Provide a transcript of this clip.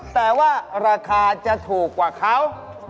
แต่ว่าราคาจะถูกกว่าเขา